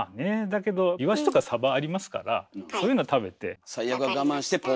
だけどイワシとかサバありますからそういうの食べて。